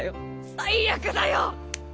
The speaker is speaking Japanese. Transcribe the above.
最悪だよ！